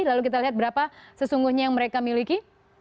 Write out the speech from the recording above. lalu kita lihat berapa sesungguhnya yang mereka miliki